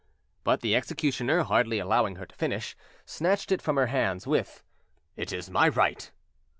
But the executioner, hardly allowing her to finish, snatched it from her hands with— "It is my right."